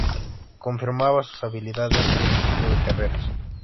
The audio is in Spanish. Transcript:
Confirmaba sus habilidades en este tipo de carreras.